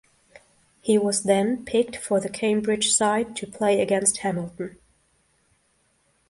He was then picked for the Cambridge side to play against Hamilton.